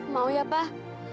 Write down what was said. mau ya pak